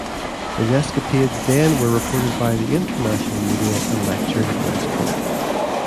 His escapades then were reported by the international media and lectured at West Point.